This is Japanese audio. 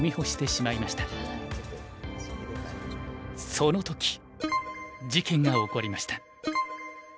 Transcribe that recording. その時事件が起こりました。